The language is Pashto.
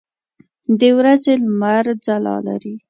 د ورځې لمر ځلا لري.